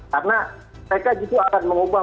karena mereka gitu akan mengubah